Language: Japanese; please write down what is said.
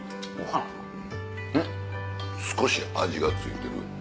少し味が付いてる。